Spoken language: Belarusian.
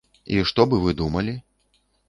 І што бы вы думалі?